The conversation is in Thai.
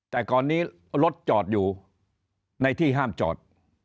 แต่ก่อนนี้รถจอดอยู่ในที่ห้ามจอด